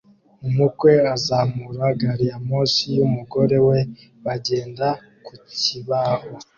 Umukwe azamura gari ya moshi y'umugore we bagenda ku kibaho